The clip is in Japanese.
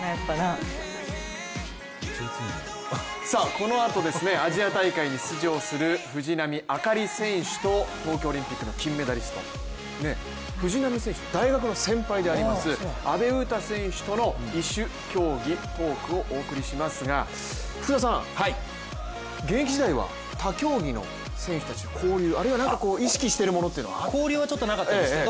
このあと、アジア大会に出場する藤波朱理選手と東京オリンピックの金メダリスト、藤波選手の大学の先輩であります、阿部詩選手との異種競技トークをお送りしますが福田さん、現役時代は他競技の選手たちと交流あるいは意識しているものってあったんですか？